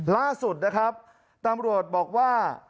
ล่าสุดนะครับตำรวจบอกว่า